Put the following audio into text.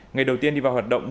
ngày đầu tiên đi vào hoạt động